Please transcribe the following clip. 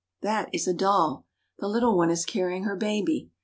That is a doll. The little girl is carrying her baby.